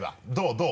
どう？